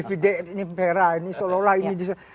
ini pera ini seolah olah